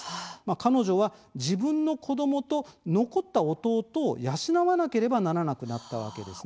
彼女は自分の子どもと残った弟を養わなければならなくなったわけですね。